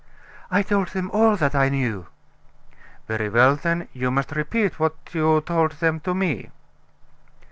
"I told them all that I knew." "Very well, then, you must repeat what you told them to me."